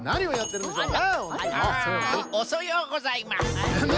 おそようございます！